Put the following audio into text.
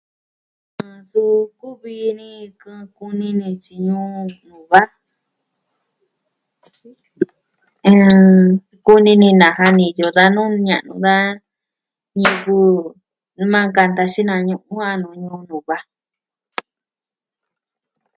A suu kuvi ni kɨ'ɨn kuni ni tyi o nuu va... a... kuni ni na'a niyo da nuu ni a nuu ka ñivɨ na nkanta xinañu'u a nuu Ñuu Nuva.